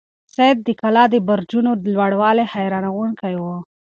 سعید ته د کلا د برجونو لوړوالی حیرانونکی و.